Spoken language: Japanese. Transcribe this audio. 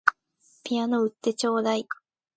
ピアノ売ってちょうだい